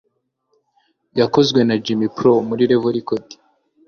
yakozwe na jimmy pro muri level records